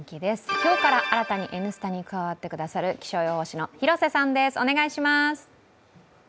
今日から新たに「Ｎスタ」に加わってくださる気象予報士の広瀬さんです、お願いします。